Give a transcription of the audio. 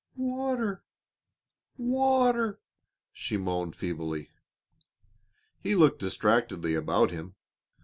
"Water! Water!" she moaned feebly. He looked distractedly about him.